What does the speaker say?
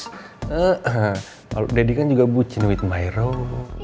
nah kalau dedy kan juga bucin with my role